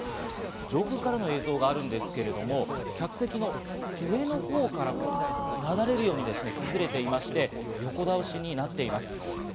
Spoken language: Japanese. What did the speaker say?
上空からの映像があるんですけれども、客席の上のほうから流れるように崩れていまして、横倒しになっています。